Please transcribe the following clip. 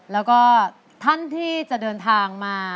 แล้วก็ท่านที่จะเดินทางมา